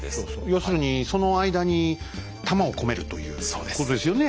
要するにその間に弾を込めるということですよね。